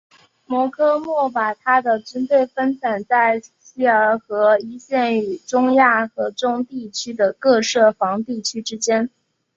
摩诃末把他的军队分散在锡尔河一线与中亚河中地区的各设防地区之间。